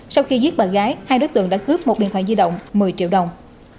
sau khi giết bạn gái hai đối tượng đã cướp một điện thoại di động một mươi triệu đồng